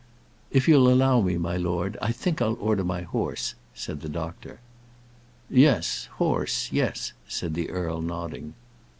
"If you'll allow me, my lord, I think I'll order my horse," said the doctor. "Yes; horse yes " said the earl, nodding.